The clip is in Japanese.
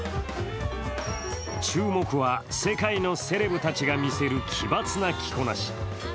注目は世界のセレブたちが見せる奇抜な着こなし。